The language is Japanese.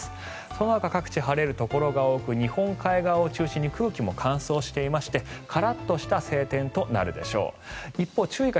そのほか各地晴れるところが多く日本海側を中心に空気も乾燥していましてカラッとした晴天となるでしょう。